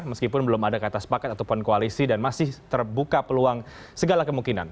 meskipun belum ada kata sepakat ataupun koalisi dan masih terbuka peluang segala kemungkinan